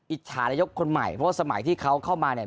อิจฉานายกคนใหม่เพราะว่าสมัยที่เขาเข้ามาเนี่ย